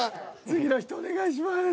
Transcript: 次の人お願いします。